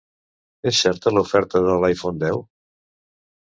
És certa la oferta del iPhone deu?